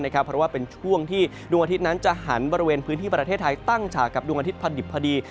เพราะว่าเป็นช่วงที่ดวงอาทิตย์นั้นจะหันบริเวณพื้นที่ประเทศไทยตั้งฉากกับดวงอาทิตยพอดิบพอดี